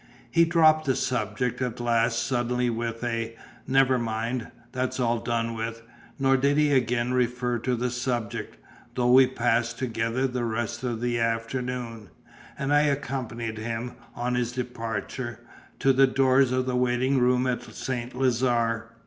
He dropped the subject at last suddenly with a "Never mind; that's all done with," nor did he again refer to the subject, though we passed together the rest of the afternoon, and I accompanied him, on his departure; to the doors of the waiting room at St. Lazare.